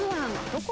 どこ？